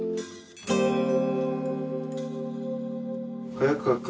早川君